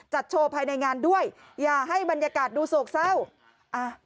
จัดโชว์ภายในงานด้วยอย่าให้บรรยากาศดูโศกเศร้าอ่ะ